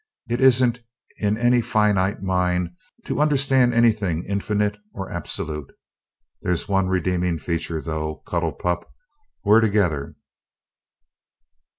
It isn't in any finite mind to understand anything infinite or absolute. There's one redeeming feature, though, cuddle pup we're together."